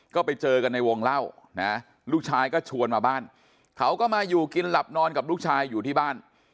ก็ไปเจอกันในวงเล่านะลูกชายก็ชวนมาบ้านเขาก็มาอยู่กินหลับนอนกับลูกชายอยู่ที่บ้าน